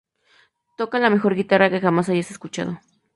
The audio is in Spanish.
Toca la mejor guitarra que jamás hayas escuchado.